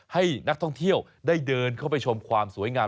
ให้นักท่องเที่ยวได้เดินเข้าไปชมความสวยงาม